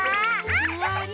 ふわり。